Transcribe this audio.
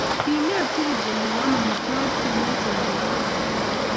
kinget tugul kele keam omitwogik chemiachen ko kararan